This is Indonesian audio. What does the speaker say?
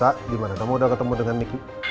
tak gimana kamu udah ketemu dengan nik